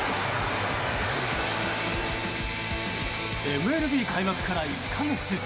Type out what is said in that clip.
ＭＬＢ開幕から１か月。